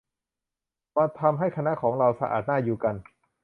"มาทำให้คณะของเรา สะอาดน่าอยู่กัน"